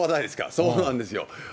そうなんですよ。